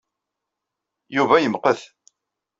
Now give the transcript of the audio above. Yuba yemqet.